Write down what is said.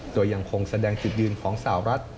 โดยยังคงแสดงจุดยืนของสาวรัฐ